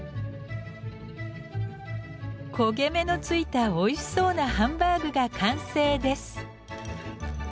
焦げ目の付いたおいしそうなハンバーグが完成です。